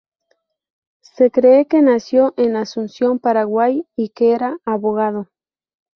Se cree que nació en Asunción, Paraguay, y que era abogado.